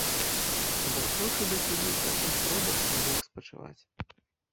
Увайшоўшы да сябе ў пакой, пробашч не лёг спачываць.